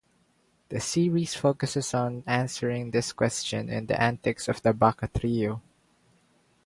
The series focuses on answering this question and the antics of the Baka Trio.